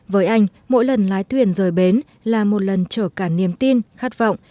với anh mỗi lần lái thuyền rời bến là một lần trở cả niềm tin khát vọng